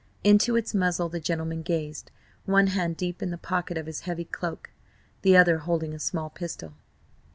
Into its muzzle the gentleman gazed, one hand deep in the pocket of his heavy cloak, the other holding a small pistol.